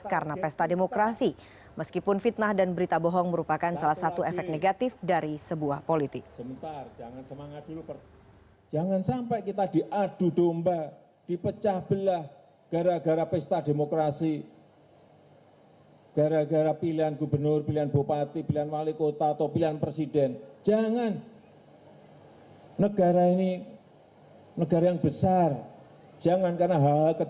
karena pesta demokrasi meskipun fitnah dan berita bohong merupakan salah satu efek negatif dari sebuah politik